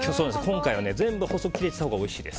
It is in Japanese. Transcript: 今日は全部細く切れてたほうがおいしいです。